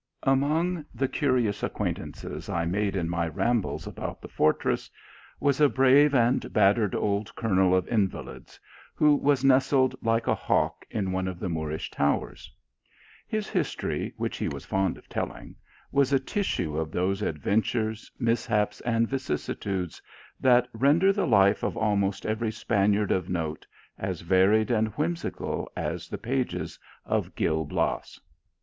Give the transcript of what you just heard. AMONG the curious acquaintances I have made |n my rambles about the fortress, is a brave and bat tered old Colonel of Invalids, who is nestled like a hawk in one of the Moorish towers. His history, which he is fond of telling, is a tissue of those advent ures, mishaps, and vicissitudes that render the life of almost every Spaniard of note as varied and whimsical as the pages of Gil Bias.